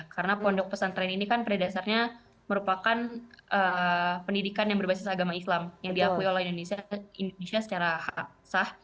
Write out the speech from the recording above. karena pondok pesantren ini kan pada dasarnya merupakan pendidikan yang berbasis agama islam yang diakui oleh indonesia secara sah